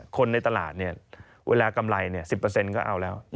คนในตลาดเวลากำไร๑๐ก็เอาแล้ว